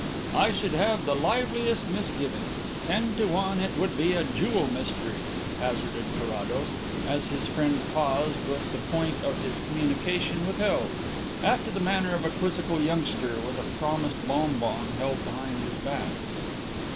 "I should have the liveliest misgivings. Ten to one it would be a jewel mystery," hazarded Carrados, as his friend paused with the point of his communication withheld, after the manner of a quizzical youngster with a promised bon bon held behind his back.